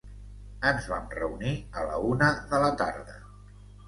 Ens vam reunir a la una de la tarda.